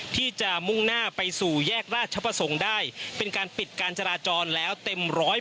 ที่จะมุ่งหน้าไปสู่แยกราชประสงค์ได้เป็นการปิดการจราจรแล้วเต็ม๑๐๐